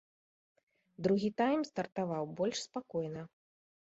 Другі тайм стартаваў больш спакойна.